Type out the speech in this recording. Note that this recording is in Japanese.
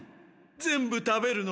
全部食べるの？